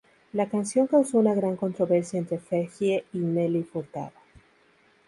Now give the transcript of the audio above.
La canción causó una gran controversia entre Fergie y Nelly Furtado.